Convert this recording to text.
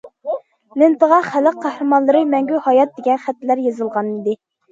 لېنتىغا« خەلق قەھرىمانلىرى مەڭگۈ ھايات» دېگەن خەتلەر يېزىلغانىدى.